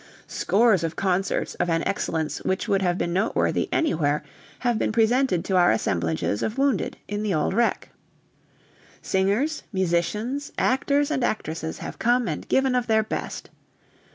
Scores of concerts of an excellence which would have been noteworthy anywhere have been presented to our assemblages of wounded in the Old Rec. Singers, musicians, actors and actresses have come and given of their best.